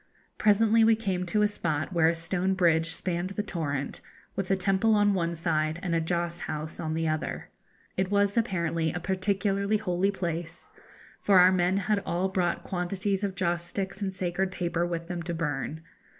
Presently we came to a spot where a stone bridge spanned the torrent, with a temple on one side and a joss house on the other. It was apparently a particularly holy place, for our men had all brought quantities of joss sticks and sacred paper with them to burn.